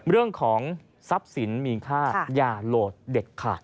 เรื่องของทรัพย์สินมีค่าอย่าโหลดเด็ดขาด